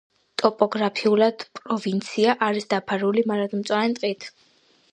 ტოპოგრაფიულად, პროვინცია არის დაფარული მარადმწვანე ტყით.